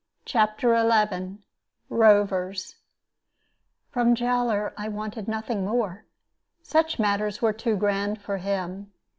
CHAPTER XI ROVERS From Jowler I wanted nothing more. Such matters were too grand for him.